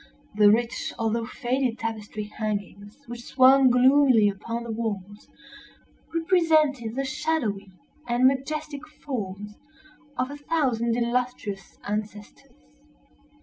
The rich although faded tapestry hangings which swung gloomily upon the walls, represented the shadowy and majestic forms of a thousand illustrious ancestors.